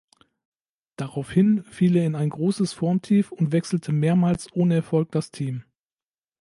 Daraufhin fiel er in ein großes Formtief und wechselte mehrmals ohne Erfolg das Team.